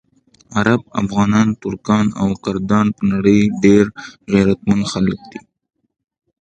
عرب، افغانان، ترکان او کردان په نړۍ ډېر غیرتمند خلک دي.